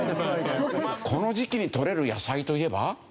この時期に採れる野菜といえば？